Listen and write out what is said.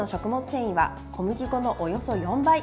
繊維は小麦粉のおよそ４倍。